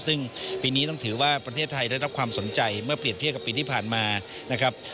ซึ่งปีนี้ต้องถือว่าประเทศไทยได้รับความสนใจเมื่อเปรียบเทียบกับปีที่ผ่านมานะครับ